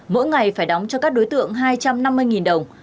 mỗi ngày phải đóng cho các đối tượng hai trăm năm mươi đồng